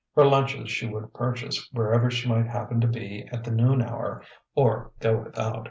Her lunches she would purchase wherever she might happen to be at the noon hour or go without.